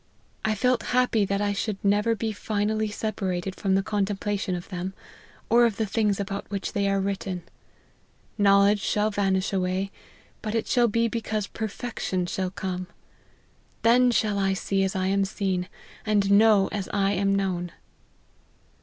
I felt happy that I should never be finally separated from the con templation of them, or of the things about which they ar3 written. Knowledge shall vanish away, but it shall be because perfection shall come. Then shall I see as I am seen, and know as I am known."